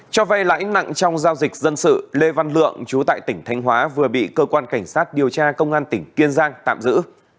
cho vay lãnh nặng trong giao dịch dân sự lê văn lượng chú tại tỉnh thanh hóa vừa bị cơ quan cảnh sát điều tra công an tỉnh kiên giang tạm giữ